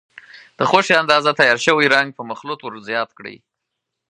د خوښې اندازه تیار شوی رنګ په مخلوط ور زیات کړئ.